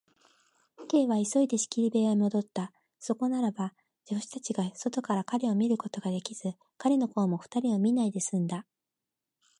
Ｋ は急いで仕切り部屋へもどった。そこならば、助手たちが外から彼を見ることができず、彼のほうも二人を見ないですんだ。